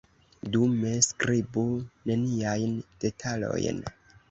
Dume skribu neniajn detalojn.